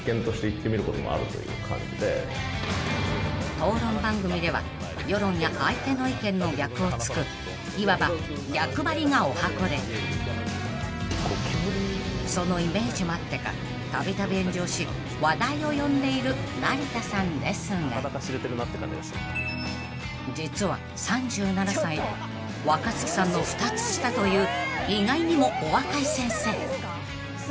［討論番組では世論や相手の意見の逆を突くいわば逆張りがおはこでそのイメージもあってかたびたび炎上し話題を呼んでいる成田さんですが実は３７歳で若槻さんの２つ下という意外にもお若い先生］